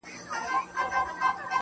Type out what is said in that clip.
ستا له تصويره سره.